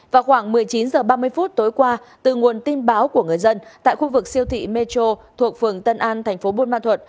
vào khoảng một mươi chín h ba mươi phút tối qua từ nguồn tin báo của người dân tại khu vực siêu thị metro thuộc phường tân an thành phố buôn ma thuật